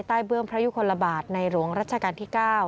เบื้องพระยุคลบาทในหลวงรัชกาลที่๙